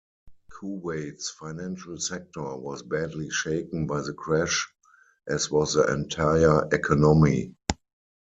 Kuwait's financial sector was badly shaken by the crash, as was the entire economy.